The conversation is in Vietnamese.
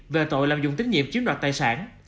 về tội làm dùng tín nhiệm chiếm đoạt tài sản